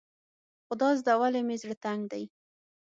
خدازده ولې مې زړه تنګ دی.